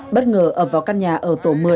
bất ngờ ập vào căn nhà ở tổ một mươi